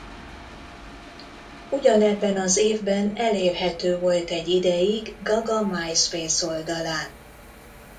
Ugyanebben az évben elérhető volt egy ideig Gaga MySpace oldalán.